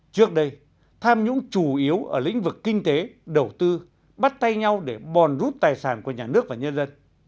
trước đây tham nhũng chủ yếu ở lĩnh vực kinh tế đầu tư bắt tay nhau để bòn rút tài sản của nhà nước và nhân dân